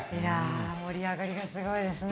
盛り上がりがすごいですね。